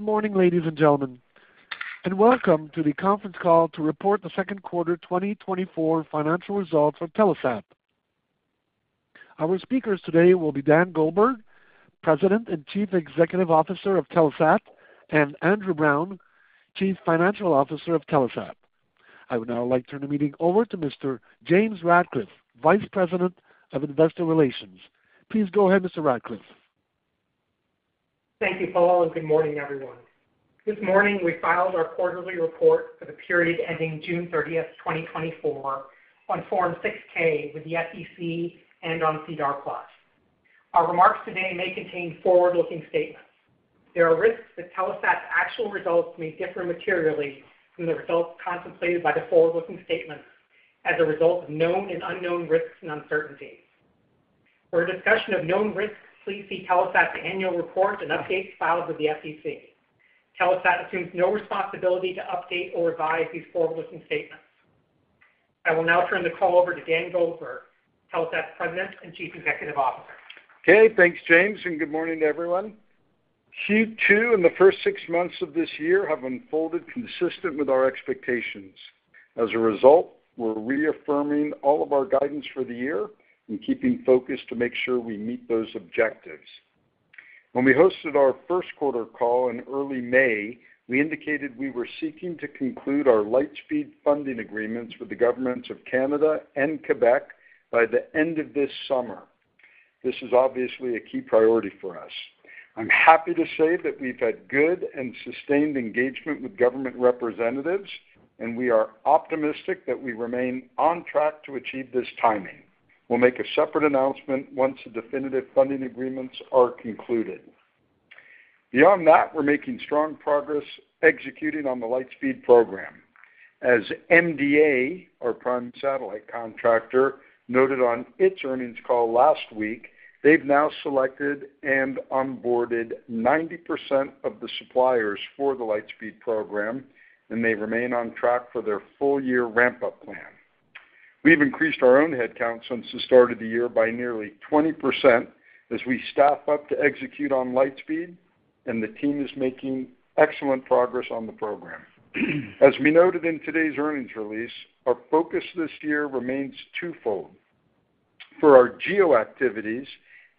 Good morning, ladies and gentlemen, and welcome to the conference call to report the second quarter 2024 financial results for Telesat. Our speakers today will be Daniel Goldberg, President and Chief Executive Officer of Telesat, and Andrew Browne, Chief Financial Officer of Telesat. I would now like to turn the meeting over to Mr. James Ratcliffe, Vice President of Investor Relations. Please go ahead, Mr. Ratcliffe. Thank you, Paul, and good morning, everyone. This morning, we filed our quarterly report for the period ending June thirtieth, 2024, on Form 6-K with the SEC and on SEDAR+. Our remarks today may contain forward-looking statements. There are risks that Telesat's actual results may differ materially from the results contemplated by the forward-looking statements as a result of known and unknown risks and uncertainties. For a discussion of known risks, please see Telesat's annual report and updates filed with the SEC. Telesat assumes no responsibility to update or revise these forward-looking statements. I will now turn the call over to Daniel Goldberg, Telesat's President and Chief Executive Officer. Okay. Thanks, James, and good morning to everyone. Q2 and the first six months of this year have unfolded consistent with our expectations. As a result, we're reaffirming all of our guidance for the year and keeping focused to make sure we meet those objectives. When we hosted our first quarter call in early May, we indicated we were seeking to conclude our Lightspeed funding agreements with the governments of Canada and Quebec by the end of this summer. This is obviously a key priority for us. I'm happy to say that we've had good and sustained engagement with government representatives, and we are optimistic that we remain on track to achieve this timing. We'll make a separate announcement once the definitive funding agreements are concluded. Beyond that, we're making strong progress executing on the Lightspeed program. As MDA, our prime satellite contractor, noted on its earnings call last week, they've now selected and onboarded 90% of the suppliers for the Lightspeed program, and they remain on track for their full-year ramp-up plan. We've increased our own headcount since the start of the year by nearly 20% as we staff up to execute on Lightspeed, and the team is making excellent progress on the program. As we noted in today's earnings release, our focus this year remains twofold. For our GEO activities,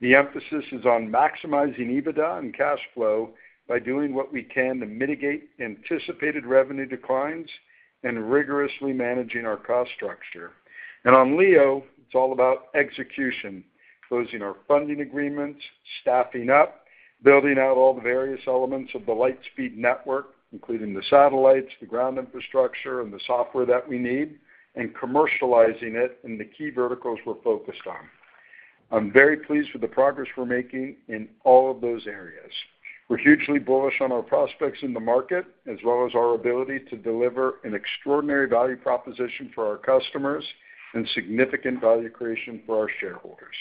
the emphasis is on maximizing EBITDA and cash flow by doing what we can to mitigate anticipated revenue declines and rigorously managing our cost structure. On LEO, it's all about execution, closing our funding agreements, staffing up, building out all the various elements of the Lightspeed network, including the satellites, the ground infrastructure, and the software that we need, and commercializing it in the key verticals we're focused on. I'm very pleased with the progress we're making in all of those areas. We're hugely bullish on our prospects in the market, as well as our ability to deliver an extraordinary value proposition for our customers and significant value creation for our shareholders.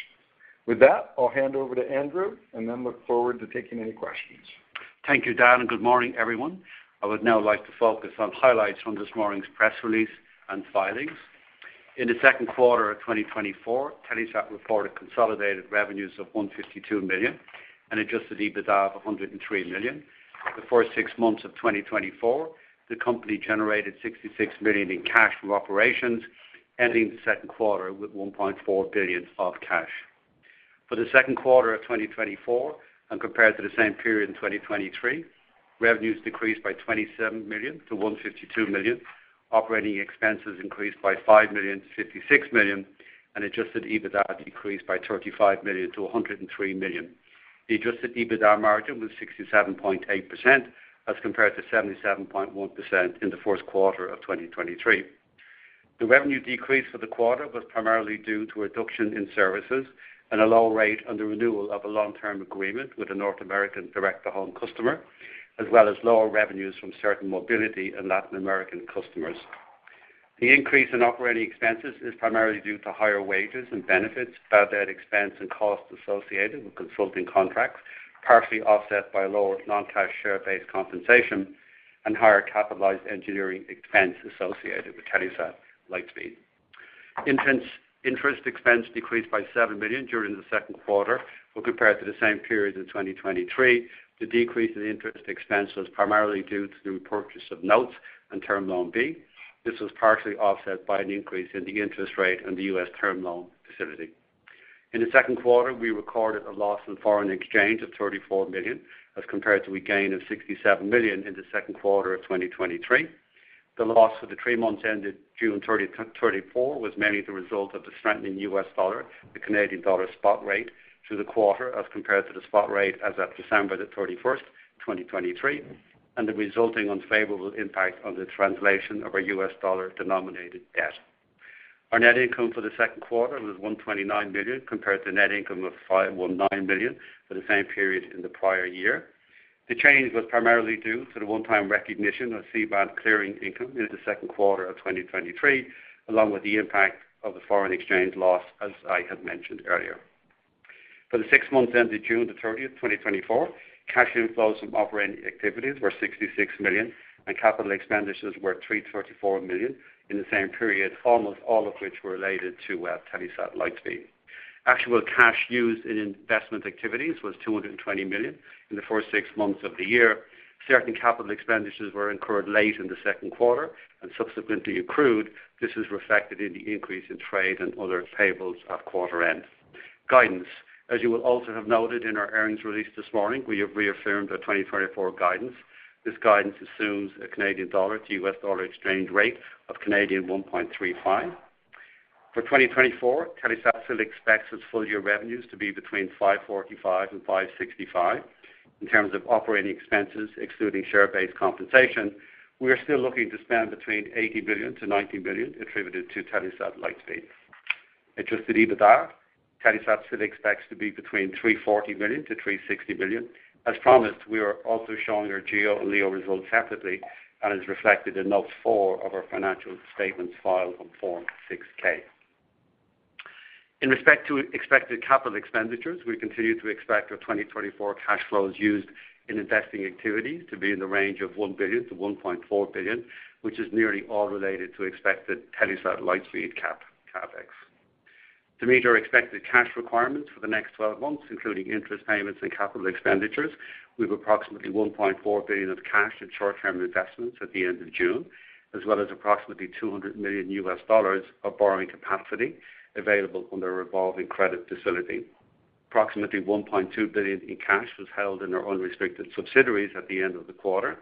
With that, I'll hand over to Andrew and then look forward to taking any questions. Thank you, Daniel, and good morning, everyone. I would now like to focus on highlights from this morning's press release and filings. In the second quarter of 2024, Telesat reported consolidated revenues of 152 million and adjusted EBITDA of 103 million. The first six months of 2024, the company generated 66 million in cash from operations, ending the second quarter with 1.4 billion of cash. For the second quarter of 2024 and compared to the same period in 2023, revenues decreased by 27 million to 152 million, operating expenses increased by 5 million to 56 million, and adjusted EBITDA decreased by 35 million to 103 million. The adjusted EBITDA margin was 67.8%, as compared to 77.1% in the first quarter of 2023. The revenue decrease for the quarter was primarily due to a reduction in services and a low rate under renewal of a long-term agreement with a North American direct-to-home customer, as well as lower revenues from certain mobility and Latin American customers. The increase in operating expenses is primarily due to higher wages and benefits, bad debt expense, and costs associated with consulting contracts, partially offset by lower non-cash share-based compensation and higher capitalized engineering expense associated with Telesat Lightspeed. Interest expense decreased by 7 million during the second quarter when compared to the same period in 2023. The decrease in interest expense was primarily due to the repurchase of notes and Term Loan B. This was partially offset by an increase in the interest rate and the U.S. term loan facility. In the second quarter, we recorded a loss in foreign exchange of 34 million, as compared to a gain of 67 million in the second quarter of 2023. The loss for the three months ended June 30, 2024, was mainly the result of the strengthening US dollar, the Canadian dollar spot rate through the quarter, as compared to the spot rate as of December 31, 2023, and the resulting unfavorable impact on the translation of our US dollar-denominated debt. Our net income for the second quarter was 129 million, compared to net income of 51.9 million for the same period in the prior year. The change was primarily due to the one-time recognition of C-Band clearing income in the second quarter of 2023, along with the impact of the foreign exchange loss, as I had mentioned earlier. For the six months ended June the thirtieth, 2024, cash inflows from operating activities were 66 million, and capital expenditures were 334 million in the same period, almost all of which were related to Telesat Lightspeed. Actual cash used in investment activities was 220 million in the first six months of the year. Certain capital expenditures were incurred late in the second quarter and subsequently accrued. This is reflected in the increase in trade and other payables at quarter end. Guidance. As you will also have noted in our earnings release this morning, we have reaffirmed our 2024 guidance. This guidance assumes a Canadian dollar to US dollar exchange rate of 1.35. For 2024, Telesat still expects its full year revenues to be between 545 million and 565 million. In terms of operating expenses, excluding share-based compensation, we are still looking to spend between 80 billion-90 billion attributed to Telesat Lightspeed. Adjusted EBITDA, Telesat still expects to be between 340 billion-360 billion. As promised, we are also showing our GEO and LEO results separately and is reflected in note 4 of our financial statements filed on Form 6-K. In respect to expected capital expenditures, we continue to expect our 2024 cash flows used in investing activities to be in the range of 1 billion-1.4 billion, which is nearly all related to expected Telesat Lightspeed CapEx. To meet our expected cash requirements for the next twelve months, including interest payments and capital expenditures, we have approximately 1.4 billion of cash and short-term investments at the end of June, as well as approximately $200 million of borrowing capacity available under a revolving credit facility. Approximately 1.2 billion in cash was held in our unrestricted subsidiaries at the end of the quarter.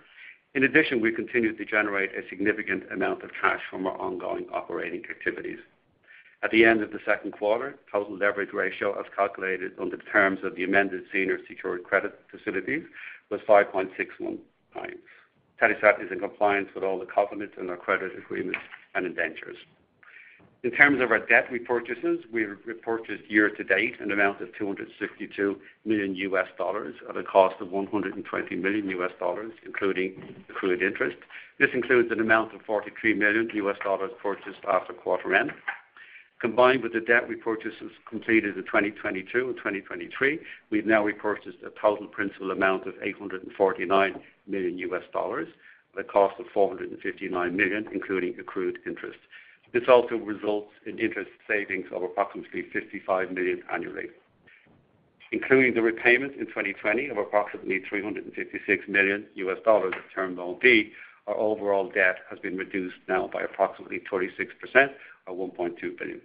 In addition, we continued to generate a significant amount of cash from our ongoing operating activities. At the end of the second quarter, total leverage ratio, as calculated under the terms of the amended senior secured credit facilities, was 5.61 times. Telesat is in compliance with all the covenants in our credit agreements and indentures. In terms of our debt repurchases, we've repurchased year to date an amount of $262 million at a cost of $120 million, including accrued interest. This includes an amount of $43 million purchased after quarter end. Combined with the debt repurchases completed in 2022 and 2023, we've now repurchased a total principal amount of $849 million at a cost of $459 million, including accrued interest. This also results in interest savings of approximately $55 million annually. Including the repayment in 2020 of approximately $356 million of Term Loan B, our overall debt has been reduced now by approximately 36%, or $1.2 billion.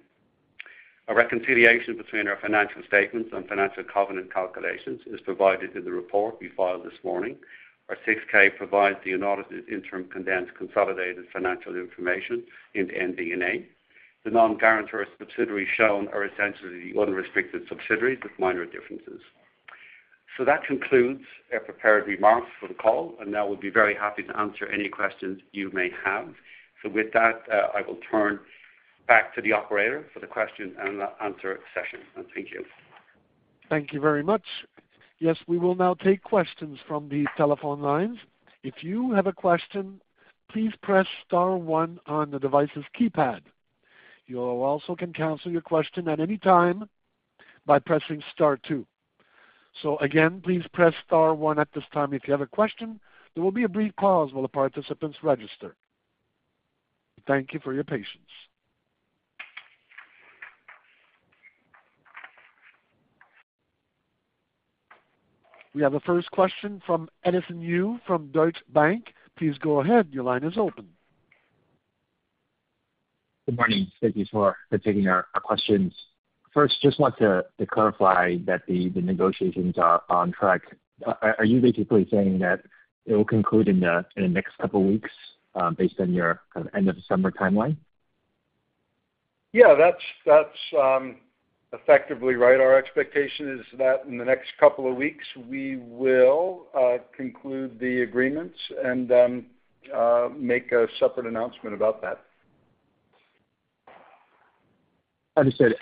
A reconciliation between our financial statements and financial covenant calculations is provided in the report we filed this morning. Our 6-K provides the unaudited interim condensed consolidated financial information into MD&A. The non-guarantor subsidiaries shown are essentially the unrestricted subsidiaries with minor differences. That concludes our prepared remarks for the call, and now we'll be very happy to answer any questions you may have. So with that, I will turn back to the operator for the question and answer session. Thank you. Thank you very much. Yes, we will now take questions from the telephone lines. If you have a question, please press star one on the device's keypad. You also can cancel your question at any time by pressing star two. So again, please press star one at this time if you have a question. There will be a brief pause while the participants register. Thank you for your patience. We have a first question from Edison Yu from Deutsche Bank. Please go ahead. Your line is open. Good morning. Thank you for taking our questions. First, just want to clarify that the negotiations are on track. Are you basically saying that it will conclude in the next couple of weeks, based on your kind of end of the summer timeline? Yeah, that's effectively right. Our expectation is that in the next couple of weeks, we will conclude the agreements and then make a separate announcement about that. Understood.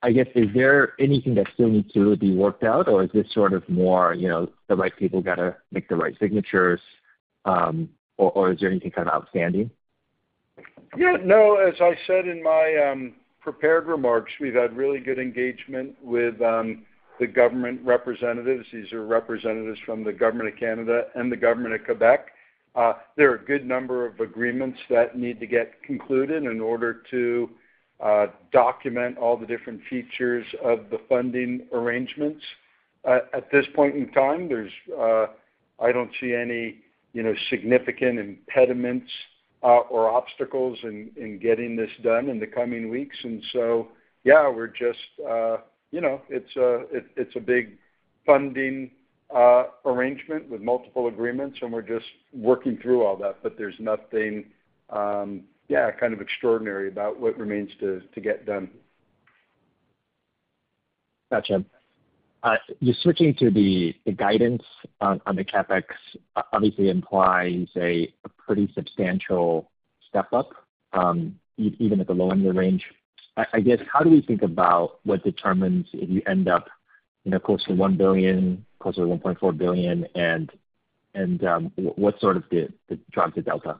I guess, is there anything that still needs to be worked out, or is this sort of more, you know, the right people got to make the right signatures, or is there anything kind of outstanding? Yeah, no, as I said in my prepared remarks, we've had really good engagement with the government representatives. These are representatives from the Government of Canada and the Government of Quebec. There are a good number of agreements that need to get concluded in order to document all the different features of the funding arrangements. At this point in time, there's, I don't see any, you know, significant impediments or obstacles in getting this done in the coming weeks. And so, yeah, we're just, you know, it's a, it's a big funding arrangement with multiple agreements, and we're just working through all that. But there's nothing, yeah, kind of extraordinary about what remains to get done. Gotcha. Just switching to the guidance on the CapEx obviously implies a pretty substantial step up, even at the low end of the range. I guess, how do we think about what determines if you end up, you know, closer to 1 billion, closer to 1.4 billion, and what sort of drives the delta?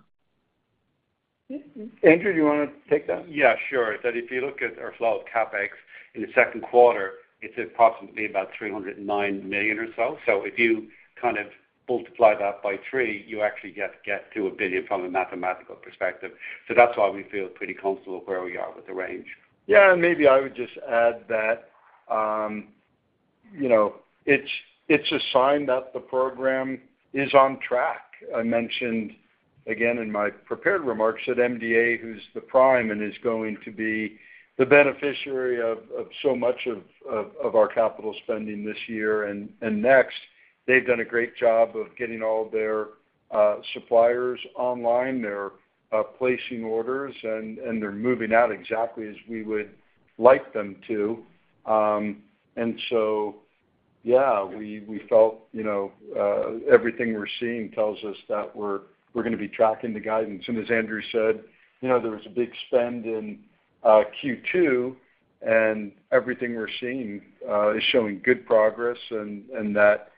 Andrew, do you want to take that? Yeah, sure. That, if you look at our flow of CapEx in the second quarter, it's approximately about 309 million or so. So if you kind of multiply that by three, you actually get to 1 billion from a mathematical perspective. So that's why we feel pretty comfortable where we are with the range. Yeah, and maybe I would just add that, you know, it's a sign that the program is on track. I mentioned again in my prepared remarks that MDA, who's the prime and is going to be the beneficiary of so much of our capital spending this year and next, they've done a great job of getting all their suppliers online. They're placing orders, and they're moving out exactly as we would like them to. And so, yeah, we felt, you know, everything we're seeing tells us that we're gonna be tracking the guidance. And as Andrew said, you know, there was a big spend in Q2, and everything we're seeing is showing good progress and, and that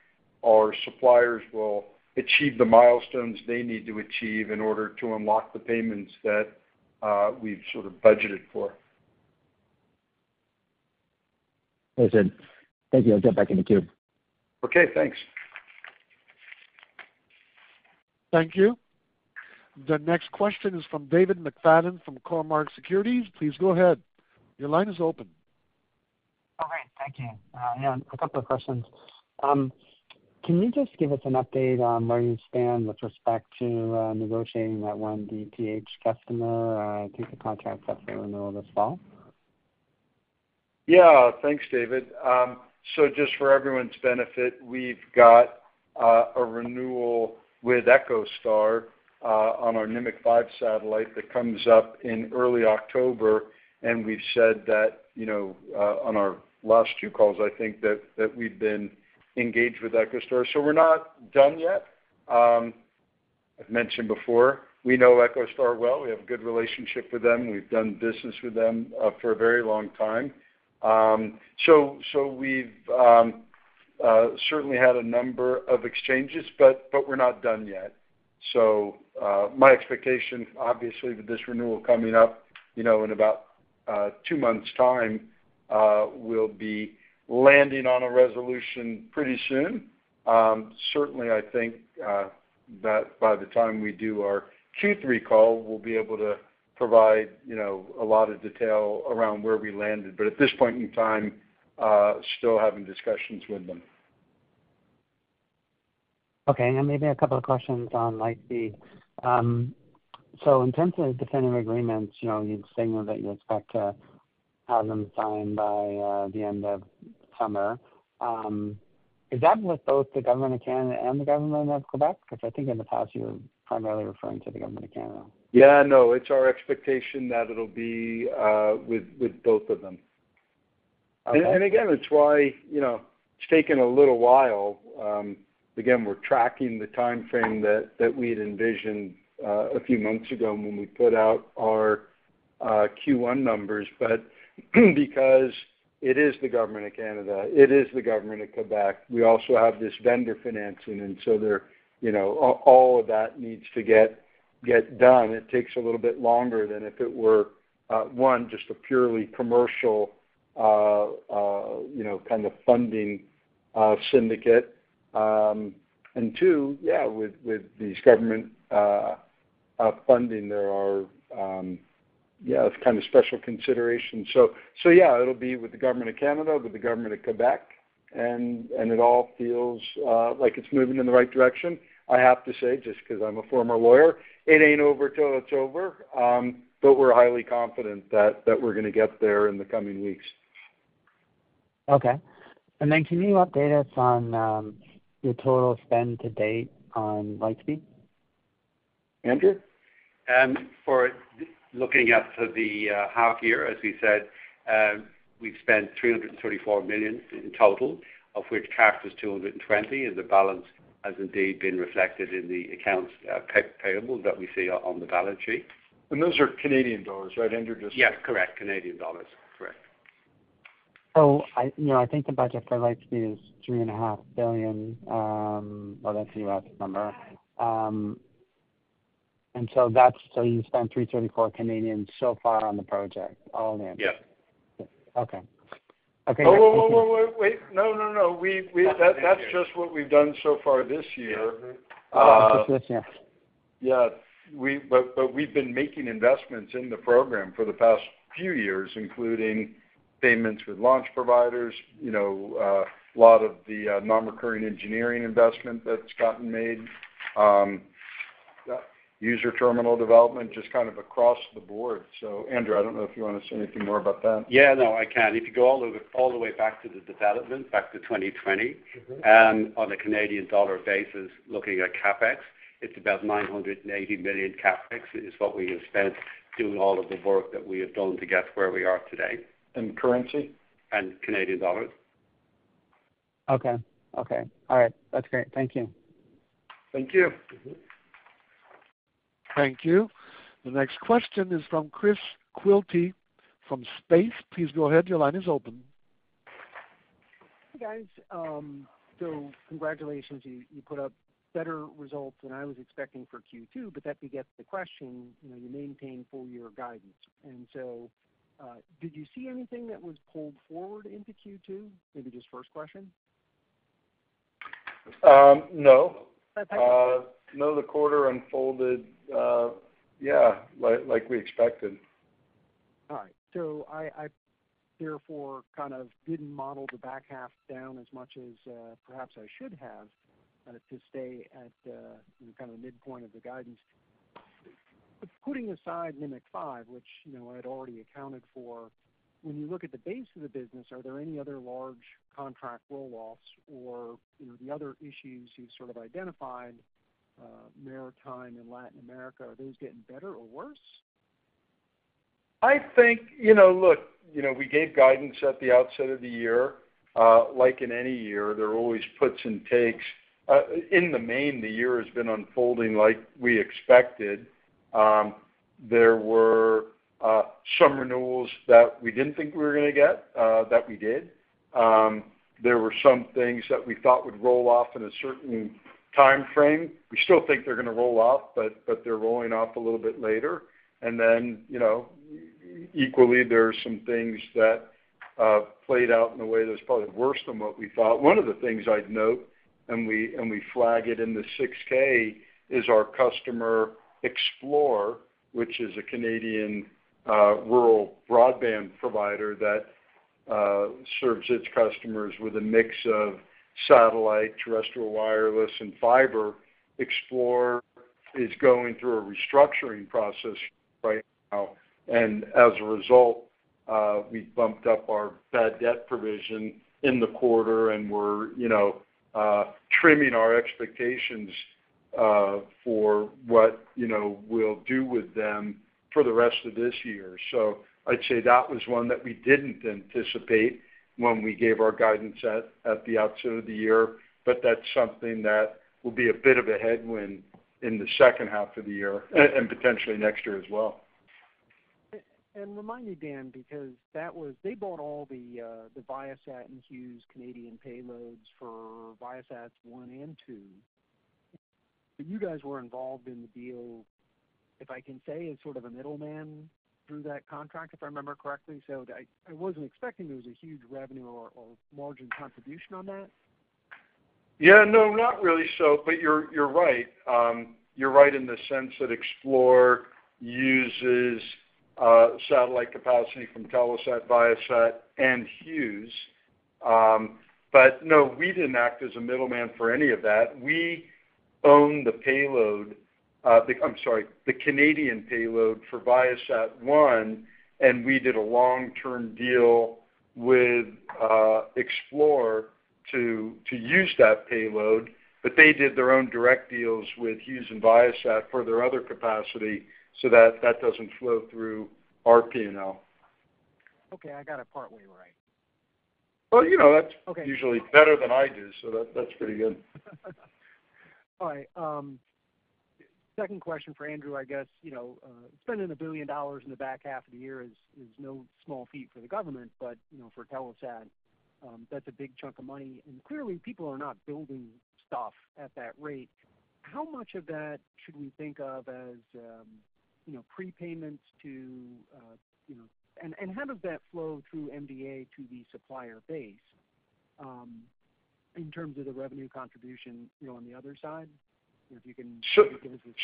our suppliers will achieve the milestones they need to achieve in order to unlock the payments that we've sort of budgeted for. That's it. Thank you. I'll jump back in the queue. Okay, thanks. Thank you. The next question is from David McFadden from Cormark Securities. Please go ahead. Your line is open. Oh, great, thank you. Yeah, a couple of questions. Can you just give us an update on where you stand with respect to negotiating that one DTH customer? I think the contract's up for renewal this fall. Yeah, thanks, David. So just for everyone's benefit, we've got a renewal with EchoStar on our Nimiq 5 satellite that comes up in early October, and we've said that, you know, on our last two calls, I think that we've been engaged with EchoStar. So we're not done yet. I've mentioned before, we know EchoStar well. We have a good relationship with them. We've done business with them for a very long time. So we've certainly had a number of exchanges, but we're not done yet. So my expectation, obviously, with this renewal coming up, you know, in about two months' time, we'll be landing on a resolution pretty soon. Certainly, I think that by the time we do our Q3 call, we'll be able to provide, you know, a lot of detail around where we landed. But at this point in time, still having discussions with them. Okay, and maybe a couple of questions on Lightspeed. So in terms of definitive agreements, you know, you'd signaled that you expect to have them signed by the end of summer. Is that with both the Government of Canada and the Government of Quebec? Because I think in the past, you were primarily referring to the Government of Canada. Yeah, no, it's our expectation that it'll be with both of them. Okay. Again, it's why, you know, it's taken a little while. Again, we're tracking the timeframe that we had envisioned a few months ago when we put out our Q1 numbers. But because it is the Government of Canada, it is the Government of Quebec, we also have this vendor financing, and so there, you know, all of that needs to get done. It takes a little bit longer than if it were one, just a purely commercial, you know, kind of funding syndicate. And two, yeah, with these government funding, there are, yeah, kind of special considerations. So yeah, it'll be with the Government of Canada, with the Government of Quebec, and it all feels like it's moving in the right direction. I have to say, just 'cause I'm a former lawyer, it ain't over till it's over, but we're highly confident that we're gonna get there in the coming weeks. Okay. And then can you update us on your total spend to date on Lightspeed? Andrew? For the half year, as we said, we've spent 334 million in total, of which cash was 220 million, and the balance has indeed been reflected in the accounts payable that we see on the balance sheet. Those are Canadian dollars, right, Andrew? Just- Yes, correct. Canadian dollars, correct. You know, I think the budget for Lightspeed is $3.5 billion, well, that's the US number. And so that's so you've spent 334 million so far on the project. All in? Yes. Okay. Okay- Oh, wait, wait, wait, wait. No, no, no. That's just what we've done so far this year. Mm-hmm. Just this year. Yeah, but we've been making investments in the program for the past few years, including payments with launch providers, you know, a lot of the non-recurring engineering investment that's gotten made, user terminal development, just kind of across the board. So Andrew, I don't know if you want to say anything more about that? Yeah, no, I can. If you go all the way back to the development, back to 2020- Mm-hmm. On a Canadian dollar basis, looking at CapEx, it's about 980 million CapEx is what we have spent doing all of the work that we have done to get where we are today. In currency? In Canadian dollars. Okay. Okay. All right. That's great. Thank you. Thank you. Mm-hmm. Thank you. The next question is from Chris Quilty from Quilty Space. Please go ahead. Your line is open. Hey, guys. So congratulations. You put up better results than I was expecting for Q2, but that begets the question, you know, you maintain full year guidance. And so, did you see anything that was pulled forward into Q2? Maybe just first question.... No. No, the quarter unfolded, yeah, like we expected. All right. So I therefore kind of didn't model the back half down as much as perhaps I should have to stay at the kind of the midpoint of the guidance. But putting aside Nimiq 5, which, you know, I'd already accounted for, when you look at the base of the business, are there any other large contract roll-offs or, you know, the other issues you've sort of identified, maritime and Latin America, are those getting better or worse? I think, you know, look, you know, we gave guidance at the outset of the year. Like in any year, there are always puts and takes. In the main, the year has been unfolding like we expected. There were some renewals that we didn't think we were gonna get that we did. There were some things that we thought would roll off in a certain time frame. We still think they're gonna roll off, but, but they're rolling off a little bit later. And then, you know, equally, there are some things that played out in a way that's probably worse than what we thought. One of the things I'd note, and we, and we flag it in the 6-K, is our customer, Xplore, which is a Canadian, rural broadband provider that, serves its customers with a mix of satellite, terrestrial, wireless, and fiber. Xplore is going through a restructuring process right now, and as a result, we bumped up our bad debt provision in the quarter, and we're, you know, trimming our expectations, for what, you know, we'll do with them for the rest of this year. So I'd say that was one that we didn't anticipate when we gave our guidance at, at the outset of the year, but that's something that will be a bit of a headwind in the second half of the year, and potentially next year as well. And remind me, Daniel, because that was, they bought all the, the Viasat and Hughes Canadian payloads for Viasat's ViaSat-1 and ViaSat-2. You guys were involved in the deal, if I can say, as sort of a middleman through that contract, if I remember correctly. So I, I wasn't expecting there was a huge revenue or, or margin contribution on that. Yeah, no, not really so. But you're, you're right. You're right in the sense that Xplore uses satellite capacity from Telesat, Viasat, and Hughes. But no, we didn't act as a middleman for any of that. We own the payload, I'm sorry, the Canadian payload for ViaSat-1, and we did a long-term deal with Xplore to, to use that payload, but they did their own direct deals with Hughes and Viasat for their other capacity, so that, that doesn't flow through our P&L. Okay, I got it partly right. Well, you know, that's- Okay. usually better than I do, so that's pretty good. All right, second question for Andrew, I guess. You know, spending 1 billion dollars in the back half of the year is no small feat for the government, but, you know, for Telesat, that's a big chunk of money, and clearly, people are not building stuff at that rate. How much of that should we think of as, you know, prepayments to, you know—and how does that flow through MDA to the supplier base, in terms of the revenue contribution, you know, on the other side? If you can- Sure.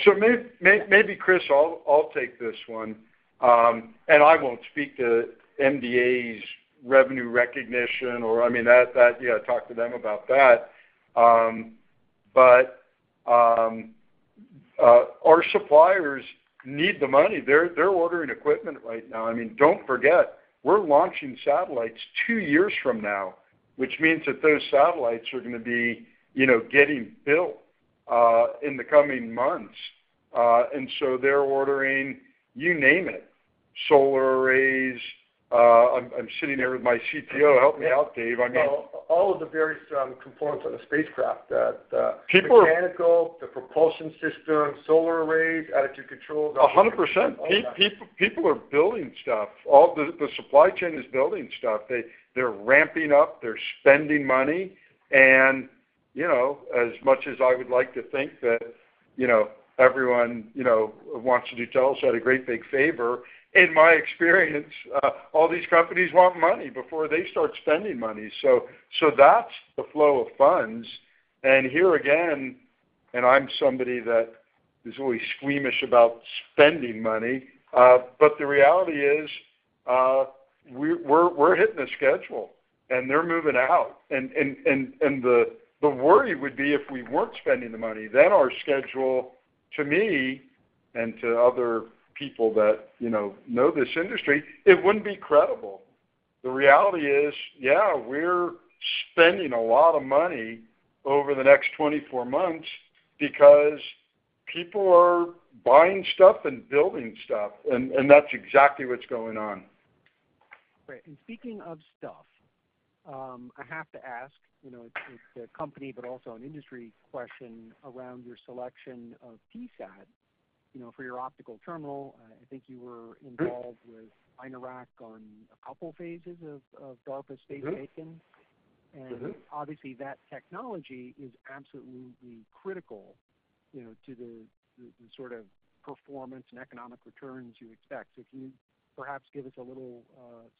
So maybe, Chris, I'll take this one. And I won't speak to MDA's revenue recognition or, I mean, that, yeah, talk to them about that. But our suppliers need the money. They're ordering equipment right now. I mean, don't forget, we're launching satellites two years from now, which means that those satellites are gonna be, you know, getting built in the coming months. And so they're ordering, you name it, solar arrays. I'm sitting here with my CTO. Help me out, Dave. I mean- All of the various components on the spacecraft, People are- - mechanical, the propulsion system, solar arrays, attitude controls. 100%. All that. People are building stuff. All the supply chain is building stuff. They're ramping up, they're spending money. And, you know, as much as I would like to think that, you know, everyone, you know, wants to do Telesat a great big favor, in my experience, all these companies want money before they start spending money. So that's the flow of funds. And here again, and I'm somebody that is always squeamish about spending money, but the reality is, we're hitting the schedule, and they're moving out. And the worry would be if we weren't spending the money, then our schedule, to me and to other people that, you know, know this industry, it wouldn't be credible. The reality is, yeah, we're spending a lot of money over the next 24 months because people are buying stuff and building stuff, and, and that's exactly what's going on. Great. Speaking of stuff, I have to ask, you know, it's a company but also an industry question around your selection of Tesat, you know, for your optical terminal. I think you were involved with Mynaric on a couple phases of DARPA's Space-BACN. Mm-hmm. Obviously, that technology is absolutely critical... you know, to the, the sort of performance and economic returns you expect. Can you perhaps give us a little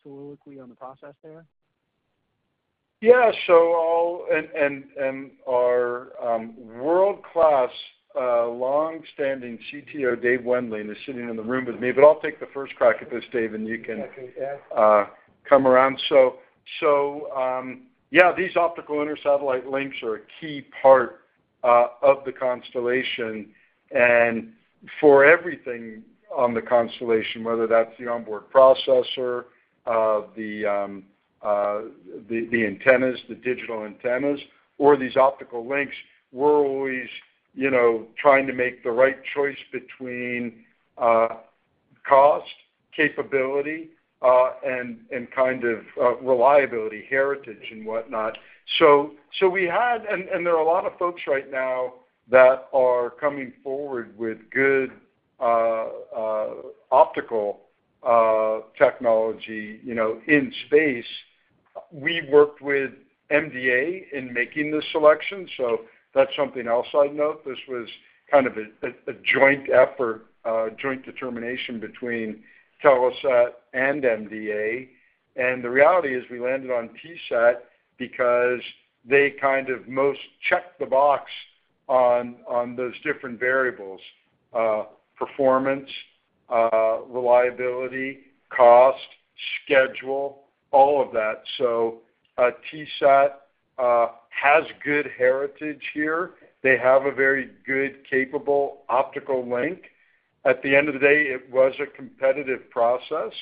soliloquy on the process there? Yeah. So I'll and our world-class, long-standing CTO, Dave Wendling, is sitting in the room with me, but I'll take the first crack at this, Dave, and you can- I can, yeah. Yeah, these optical intersatellite links are a key part of the constellation. And for everything on the constellation, whether that's the onboard processor, the antennas, the digital antennas, or these optical links, we're always, you know, trying to make the right choice between cost, capability, and kind of reliability, heritage, and whatnot. There are a lot of folks right now that are coming forward with good optical technology, you know, in space. We worked with MDA in making this selection, so that's something else I'd note. This was kind of a joint effort, a joint determination between Telesat and MDA. And the reality is, we landed on Tesat because they kind of most checked the box on, on those different variables: performance, reliability, cost, schedule, all of that. So, Tesat has good heritage here. They have a very good, capable optical link. At the end of the day, it was a competitive process,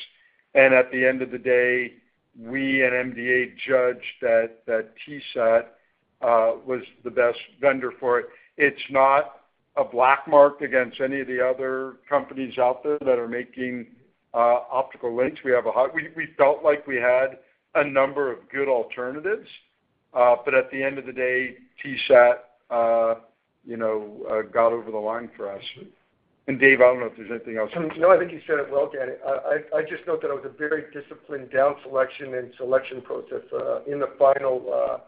and at the end of the day, we and MDA judged that, that Tesat was the best vendor for it. It's not a black mark against any of the other companies out there that are making optical links. We felt like we had a number of good alternatives, but at the end of the day, Tesat, you know, got over the line for us. And Dave, I don't know if there's anything else. No, I think you said it well, Daniel. I'd just note that it was a very disciplined down selection and selection process in the final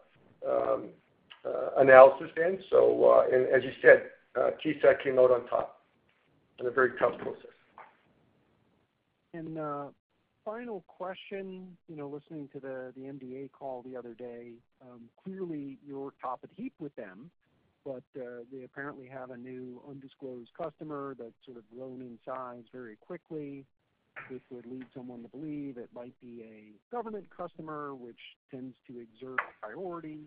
analysis then. So, and as you said, Telesat came out on top in a very tough process. Final question. You know, listening to the MDA call the other day, clearly, you're top of the heap with them, but, they apparently have a new undisclosed customer that's sort of grown in size very quickly, which would lead someone to believe it might be a government customer, which tends to exert priority.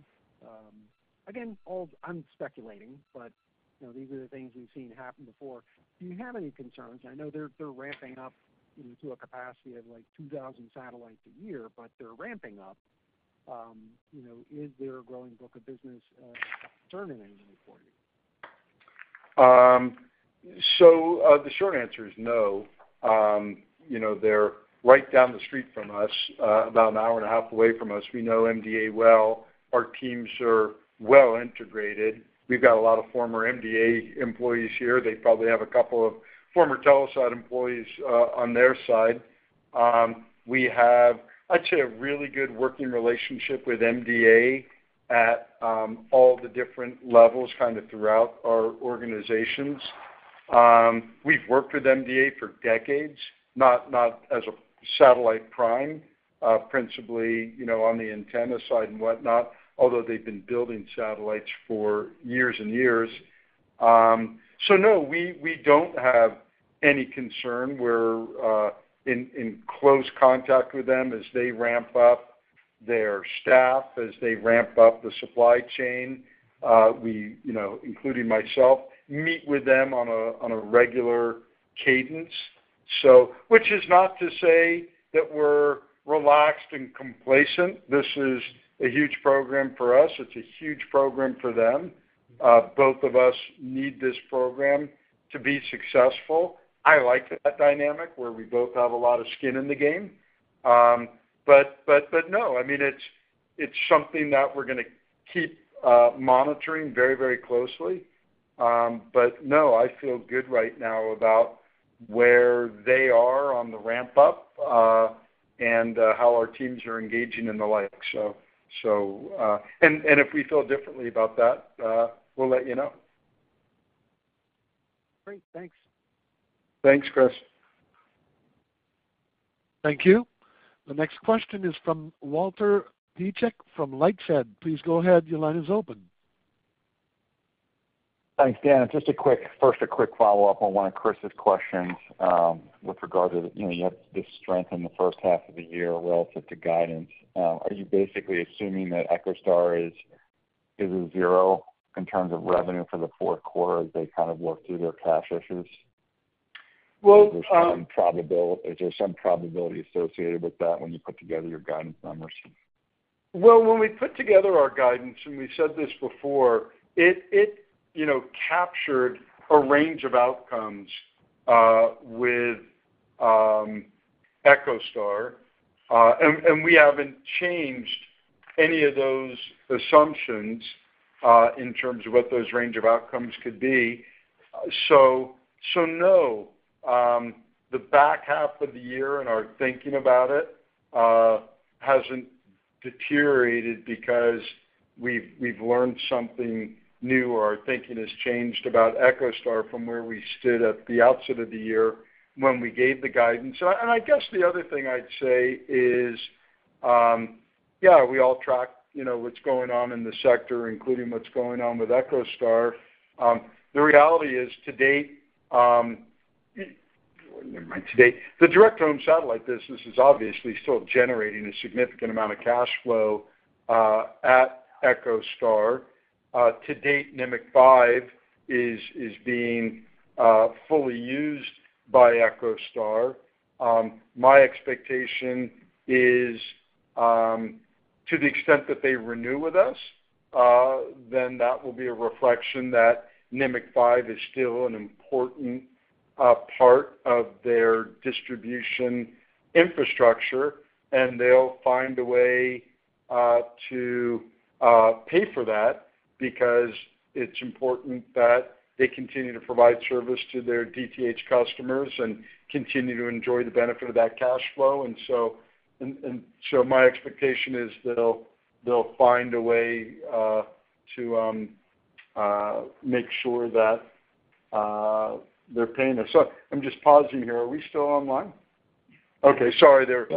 Again, I'm speculating, but, you know, these are the things we've seen happen before. Do you have any concerns? I know they're ramping up, you know, to a capacity of, like, 2,000 satellites a year, but they're ramping up. You know, is their growing book of business, a concern in any way for you? So, the short answer is no. You know, they're right down the street from us, about an hour and a half away from us. We know MDA well. Our teams are well integrated. We've got a lot of former MDA employees here. They probably have a couple of former Telesat employees on their side. We have, I'd say, a really good working relationship with MDA at all the different levels, kind of throughout our organizations. We've worked with MDA for decades, not as a satellite prime principally, you know, on the antenna side and whatnot, although they've been building satellites for years and years. So no, we don't have any concern. We're in close contact with them as they ramp up their staff, as they ramp up the supply chain. We, you know, including myself, meet with them on a regular cadence. So, which is not to say that we're relaxed and complacent. This is a huge program for us. It's a huge program for them. Both of us need this program to be successful. I like that dynamic, where we both have a lot of skin in the game. But no, I mean, it's something that we're gonna keep monitoring very, very closely. But no, I feel good right now about where they are on the ramp up, and how our teams are engaging and the like, so... And if we feel differently about that, we'll let you know. Great. Thanks. Thanks, Chris. Thank you. The next question is from Walt Piecyk from LightShed. Please go ahead. Your line is open. Thanks, Daniel. Just a quick follow-up on one of Chris's questions, with regard to, you know, you had this strength in the first half of the year relative to guidance. Are you basically assuming that EchoStar is a zero in terms of revenue for the fourth quarter, as they kind of work through their cash issues? Well, um- Is there some probability associated with that when you put together your guidance numbers? Well, when we put together our guidance, and we said this before, it you know captured a range of outcomes with EchoStar. And we haven't changed any of those assumptions in terms of what those range of outcomes could be... So no, the back half of the year and our thinking about it hasn't deteriorated because we've learned something new or our thinking has changed about EchoStar from where we stood at the outset of the year when we gave the guidance. So, and I guess the other thing I'd say is, yeah, we all track you know what's going on in the sector, including what's going on with EchoStar. The reality is, to date, never mind to date. The direct-to-home satellite business is obviously still generating a significant amount of cash flow at EchoStar. To date, Nimiq 5 is being fully used by EchoStar. My expectation is to the extent that they renew with us, then that will be a reflection that Nimiq 5 is still an important part of their distribution infrastructure, and they'll find a way to pay for that, because it's important that they continue to provide service to their DTH customers and continue to enjoy the benefit of that cash flow. And so my expectation is that they'll find a way to make sure that they're paying us. So I'm just pausing here. Are we still online? Okay, sorry, there.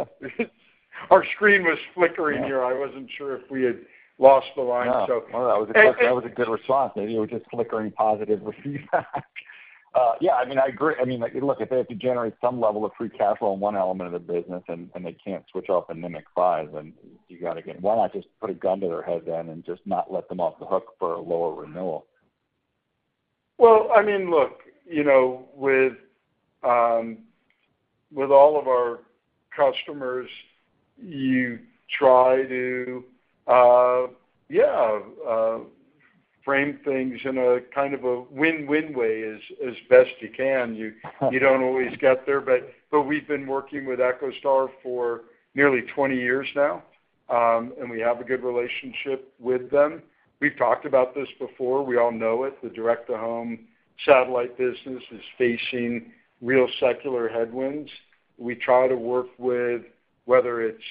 Our screen was flickering here. I wasn't sure if we had lost the line, so- No, well, that was a good, that was a good response. Maybe it was just flickering positive feedback. Yeah, I mean, I agree. I mean, like, look, if they have to generate some level of free cash flow in one element of the business and, and they can't switch off the Nimiq 5, then you gotta get. Why not just put a gun to their head then and just not let them off the hook for a lower renewal? Well, I mean, look, you know, with all of our customers, you try to frame things in a kind of a win-win way as best you can. You don't always get there, but we've been working with EchoStar for nearly 20 years now, and we have a good relationship with them. We've talked about this before. We all know it. The direct-to-home satellite business is facing real secular headwinds. We try to work with, whether it's,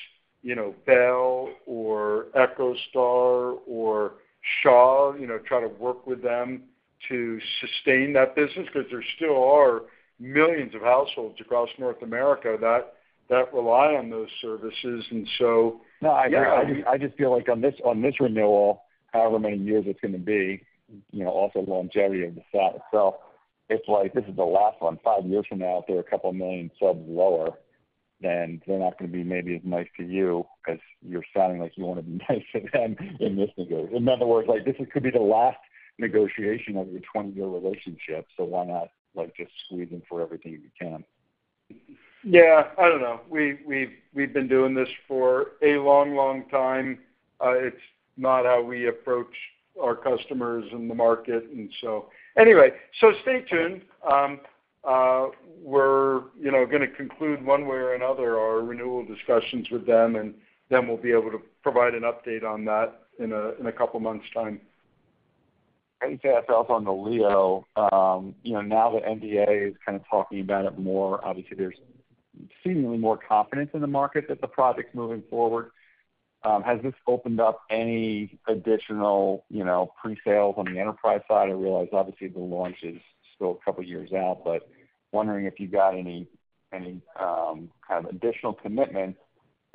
you know, Bell or EchoStar or Shaw, you know, try to work with them to sustain that business, 'cause there still are millions of households across North America that rely on those services. And so, yeah- No, I just feel like on this, on this renewal, however many years it's gonna be, you know, also the longevity of the sat itself, it's like this is the last one. Five years from now, if they're a couple million subs lower, then they're not gonna be maybe as nice to you, 'cause you're sounding like you want to be nice to them in this negotiation. In other words, like, this could be the last negotiation of a 20-year relationship, so why not, like, just squeeze them for everything you can? Yeah, I don't know. We've been doing this for a long, long time. It's not how we approach our customers in the market. And so anyway, stay tuned. We're, you know, gonna conclude one way or another our renewal discussions with them, and then we'll be able to provide an update on that in a couple months' time. I guess also on the LEO, you know, now that MDA is kind of talking about it more, obviously, there's seemingly more confidence in the market that the project's moving forward. Has this opened up any additional, you know, presales on the enterprise side? I realize, obviously, the launch is still a couple of years out, but wondering if you got any kind of additional commitment.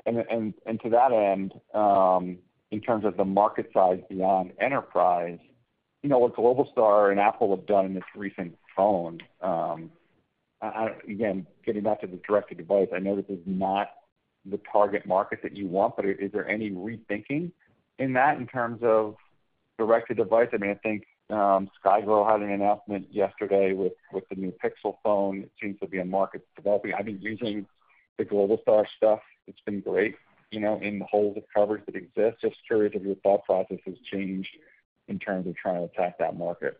And to that end, in terms of the market size beyond enterprise, you know, what Globalstar and Apple have done in this recent phone, again, getting back to the direct-to-device, I know this is not the target market that you want, but is there any rethinking in that in terms of direct-to-device? I mean, I think Skylo had an announcement yesterday with the new Pixel phone. It seems to be a market developing. I've been using the Globalstar stuff. It's been great, you know, in the holes of coverage that exist. Just curious if your thought process has changed in terms of trying to attack that market.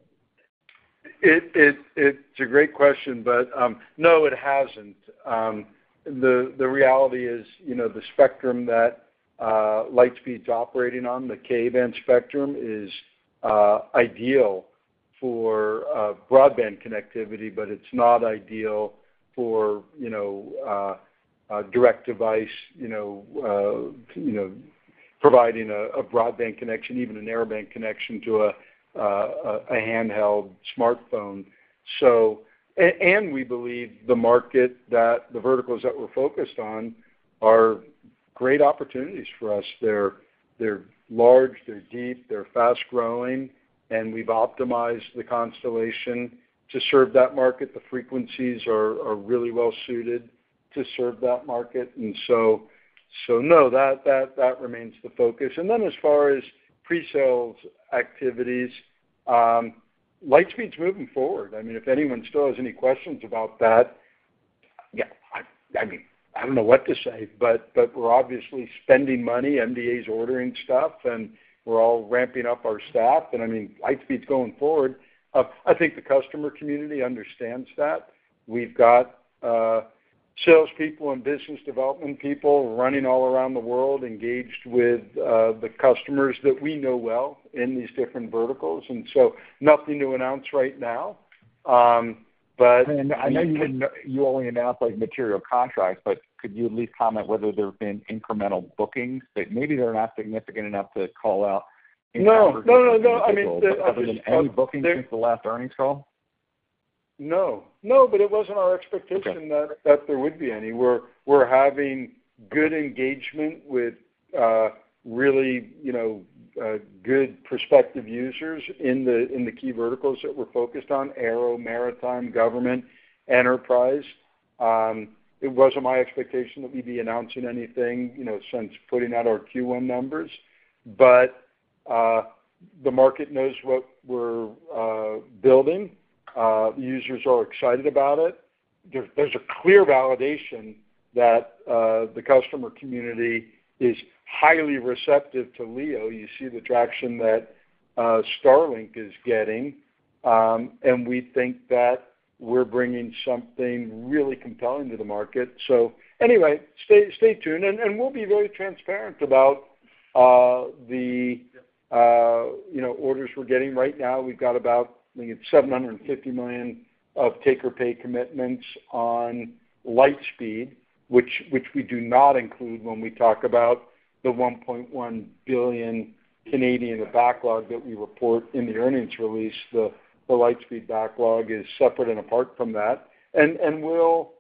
It's a great question, but, no, it hasn't. The reality is, you know, the spectrum that Lightspeed's operating on, the Ka-band spectrum, is ideal for broadband connectivity, but it's not ideal for, you know, a direct device, you know, you know, providing a broadband connection, even a narrowband connection to a handheld smartphone. So... and we believe the market that the verticals that we're focused on are great opportunities for us. They're large, they're deep, they're fast-growing, and we've optimized the constellation to serve that market. The frequencies are really well suited to serve that market. And so, no, that remains the focus. And then as far as presales activities, Lightspeed's moving forward. I mean, if anyone still has any questions about that, yeah, I mean, I don't know what to say, but we're obviously spending money. MDA's ordering stuff, and we're all ramping up our staff. I mean, Lightspeed's going forward. I think the customer community understands that. We've got salespeople and business development people running all around the world, engaged with the customers that we know well in these different verticals. So nothing to announce right now, but- And I know you, you only announce, like, material contracts, but could you at least comment whether there have been incremental bookings, that maybe they're not significant enough to call out in- No. No, no, no. I mean, the, Other than any booking since the last earnings call? No. No, but it wasn't our expectation- Okay... that there would be any. We're having good engagement with really, you know, good prospective users in the key verticals that we're focused on: aero, maritime, government, enterprise. It wasn't my expectation that we'd be announcing anything, you know, since putting out our Q1 numbers. But the market knows what we're building. Users are excited about it. There's a clear validation that the customer community is highly receptive to LEO. You see the traction that Starlink is getting, and we think that we're bringing something really compelling to the market. So anyway, stay tuned, and we'll be very transparent about the, you know, orders we're getting right now. We've got about, I think, 750 million of take or pay commitments on Lightspeed, which we do not include when we talk about the 1.1 billion Canadian backlog that we report in the earnings release. The Lightspeed backlog is separate and apart from that. And we'll,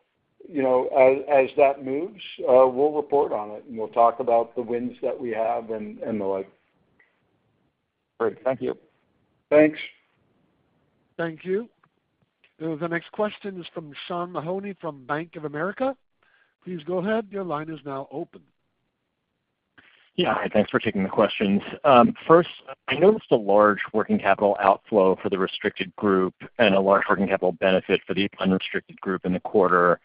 you know, as that moves, we'll report on it, and we'll talk about the wins that we have and the like. Great. Thank you. Thanks. Thank you. The next question is from Sean Mahoney, from Bank of America. Please go ahead. Your line is now open. Yeah. Hi, thanks for taking the questions. First, I noticed a large working capital outflow for the restricted group and a large working capital benefit for the unrestricted group in the quarter.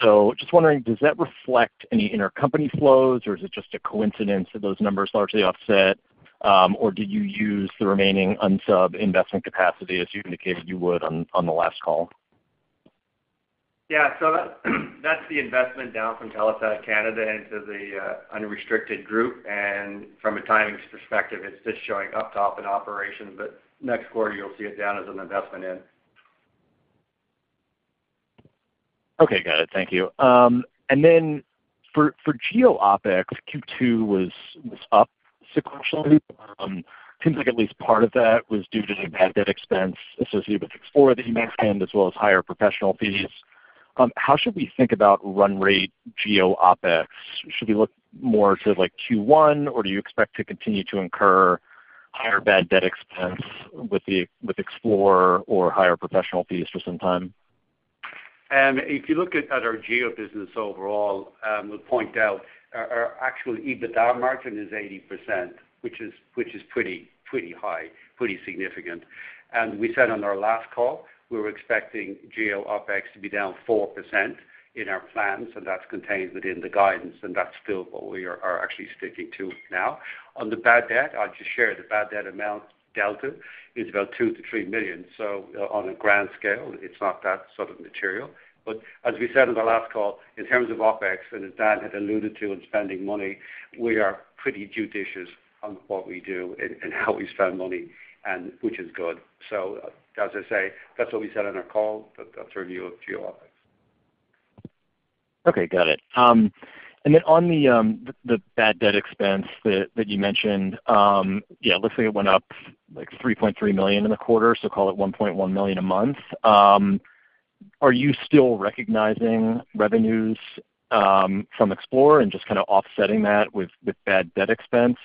So just wondering, does that reflect any intercompany flows, or is it just a coincidence that those numbers largely offset, or did you use the remaining unsub investment capacity as you indicated you would on the last call? Yeah, so that, that's the investment down from Telesat Canada into the unrestricted group. And from a timing perspective, it's just showing up top in operation, but next quarter, you'll see it down as an investment in. Okay, got it. Thank you. For GEO OpEx, Q2 was up sequentially. Seems like at least part of that was due to the bad debt expense associated with Xplore, the Max Ant, as well as higher professional fees. How should we think about run rate GEO OpEx? Should we look more to, like, Q1, or do you expect to continue to incur higher bad debt expense with Xplore or higher professional fees for some time? If you look at our GEO business overall, we'll point out our actual EBITDA margin is 80%, which is pretty high, pretty significant. And we said on our last call, we were expecting GEO OpEx to be down 4% in our plans, and that's contained within the guidance, and that's still what we are actually sticking to now. On the bad debt, I'll just share the bad debt amount delta is about 2 million-3 million, so on a grand scale, it's not that sort of material. But as we said on the last call, in terms of OpEx, and as Daniel had alluded to in spending money, we are pretty judicious on what we do and how we spend money, and which is good. As I say, that's what we said on our call, but that's a review of GEO OpEx. Okay, got it. And then on the bad debt expense that you mentioned, yeah, let's say it went up, like, 3.3 million in a quarter, so call it 1.1 million a month. Are you still recognizing revenues from Xplore and just kind of offsetting that with bad debt expense?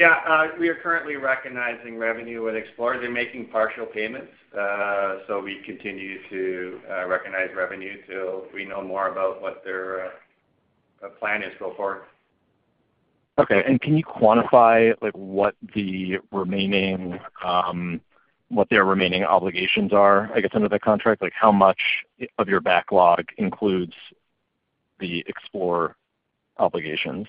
Yeah, we are currently recognizing revenue with Xplore. They're making partial payments, so we continue to recognize revenue till we know more about what their plan is going forward. Okay. And can you quantify, like, what the remaining, what their remaining obligations are, I guess, under the contract? Like, how much of your backlog includes the Xplore obligations?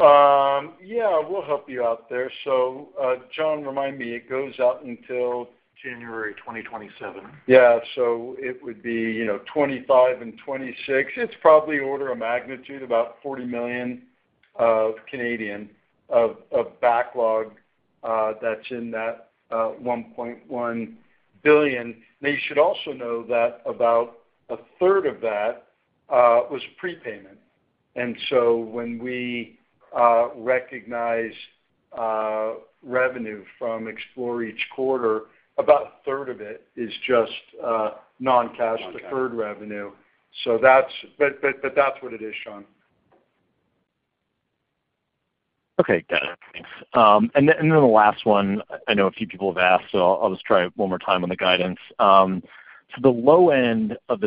Yeah, we'll help you out there. So, John, remind me, it goes out until... January 2027. Yeah. So it would be, you know, 2025 and 2026. It's probably order of magnitude, about 40 million of backlog, that's in that 1.1 billion. Now, you should also know that about a third of that was prepayment. And so when we recognize revenue from Xplore each quarter, about a third of it is just non-cash- Non-cash ...deferred revenue. So that's, but that's what it is, Sean. Okay, got it. Thanks. And then the last one, I know a few people have asked, so I'll just try it one more time on the guidance. So the low end of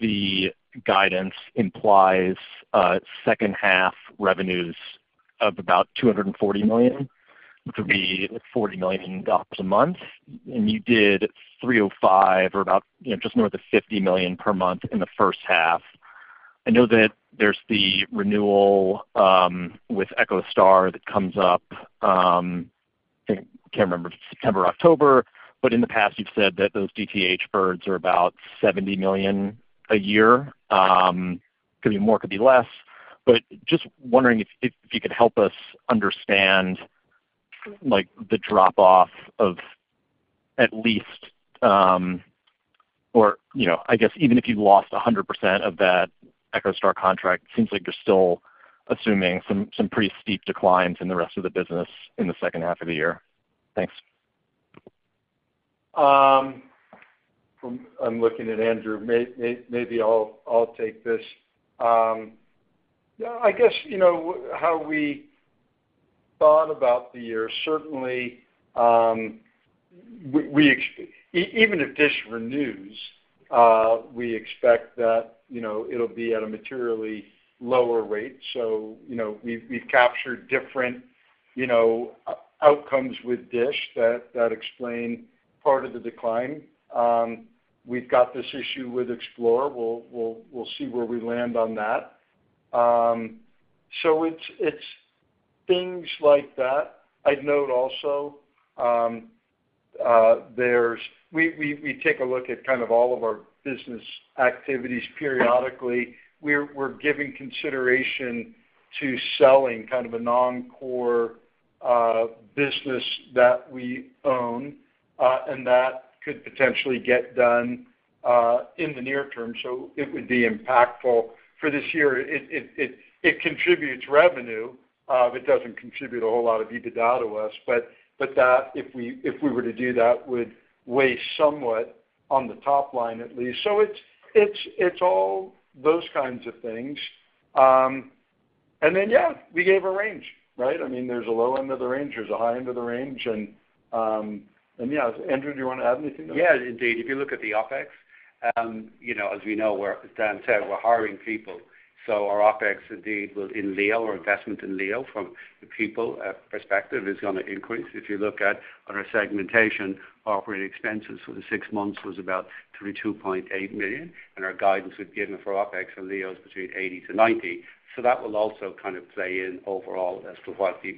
the guidance implies second half revenues of about $240 million, which would be $40 million a month, and you did 305 or about, you know, just more than $50 million per month in the first half. I know that there's the renewal with EchoStar that comes up, I can't remember if it's September or October, but in the past, you've said that those DTH birds are about $70 million a year. Could be more, could be less, but just wondering if you could help us understand, like, the drop-off of at least, or, you know, I guess even if you've lost 100% of that EchoStar contract, it seems like you're still assuming some pretty steep declines in the rest of the business in the second half of the year. Thanks. I'm looking at Andrew. Maybe I'll take this. Yeah, I guess, you know, how we thought about the year, certainly, even if DISH renews, we expect that, you know, it'll be at a materially lower rate. So, you know, we've captured different, you know, outcomes with DISH that explain part of the decline. We've got this issue with Xplore. We'll see where we land on that. So it's things like that. I'd note also, we take a look at kind of all of our business activities periodically. We're giving consideration to selling kind of a non-core business that we own, and that could potentially get done in the near term, so it would be impactful. For this year, it contributes revenue, but it doesn't contribute a whole lot of EBITDA to us. But that, if we were to do that, would weigh somewhat on the top line, at least. So it's all those kinds of things. And then, yeah, we gave a range, right? I mean, there's a low end of the range, there's a high end of the range, and, yeah. Andrew, do you want to add anything? Yeah, indeed. If you look at the OpEx, you know, as we know, where Daniel said, we're hiring people, so our OpEx, indeed, will in LEO, our investment in LEO, from the people perspective, is gonna increase. If you look at, on our segmentation, operating expenses for the six months was about 32.8 million, and our guidance we've given for OpEx in LEO is between 80-90. So that will also kind of play in overall as to what the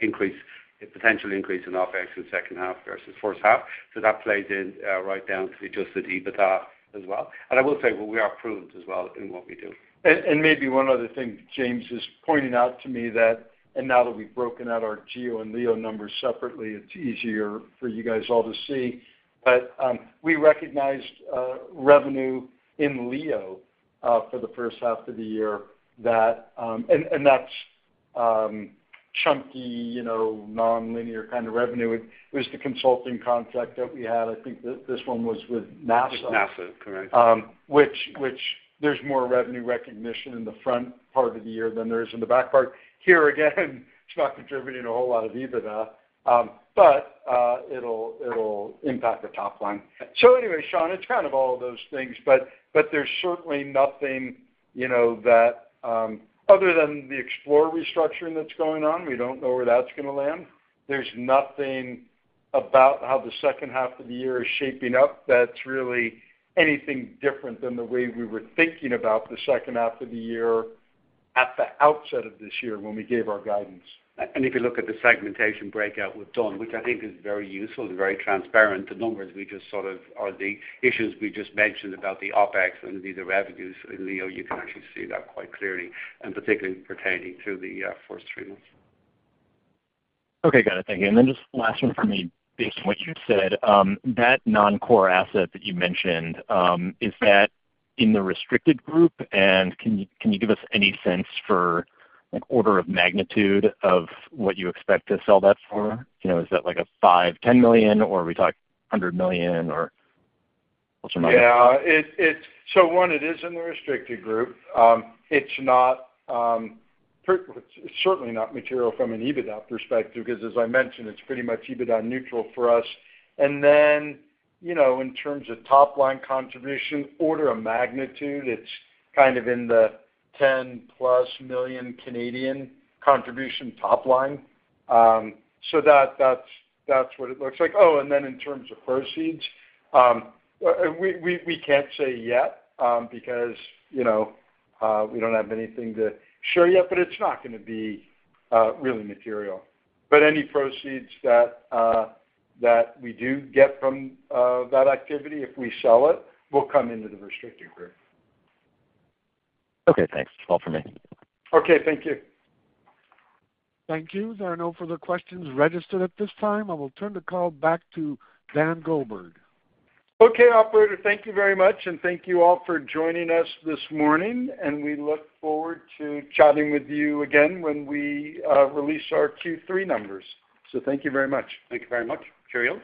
increase, the potential increase in OpEx in the second half versus first half. So that plays in right down to the adjusted EBITDA as well. And I will say, we are prudent as well in what we do. And maybe one other thing, James, is pointing out to me that now that we've broken out our GEO and LEO numbers separately, it's easier for you guys all to see. But we recognized revenue in LEO for the first half of the year that... And that's chunky, you know, nonlinear kind of revenue. It was the consulting contract that we had. I think this one was with NASA. NASA, correct. Which there's more revenue recognition in the front part of the year than there is in the back part. Here, again, it's not contributing a whole lot of EBITDA, but it'll impact the top line. So anyway, Sean, it's kind of all of those things, but there's certainly nothing, you know, other than the Xplore restructuring that's going on, we don't know where that's gonna land. There's nothing about how the second half of the year is shaping up that's really anything different than the way we were thinking about the second half of the year at the outset of this year when we gave our guidance. If you look at the segmentation breakout we've done, which I think is very useful and very transparent, the numbers we just sort of are the issues we just mentioned about the OpEx and the revenues in LEO, you can actually see that quite clearly, and particularly pertaining to the first three months. Okay. Got it. Thank you. And then just last one from me. Based on what you've said, that non-core asset that you mentioned, is that in the restricted group? And can you, can you give us any sense for, like, order of magnitude of what you expect to sell that for? You know, is that like a 5 million, 10 million, or are we talking 100 million, or more? Yeah. It is in the restricted group. It's not, it's certainly not material from an EBITDA perspective, because as I mentioned, it's pretty much EBITDA neutral for us. And then, you know, in terms of top-line contribution, order of magnitude, it's kind of in the 10+ million contribution top line. So that, that's what it looks like. Oh, and then in terms of proceeds, we can't say yet, because, you know, we don't have anything to share yet, but it's not gonna be really material. But any proceeds that we do get from that activity, if we sell it, will come into the restricted group. Okay, thanks. That's all for me. Okay, thank you. Thank you. There are no further questions registered at this time. I will turn the call back to Daniel Goldberg. Okay, operator, thank you very much, and thank you all for joining us this morning, and we look forward to chatting with you again when we release our Q3 numbers. So thank you very much. Thank you very much. Cheerio.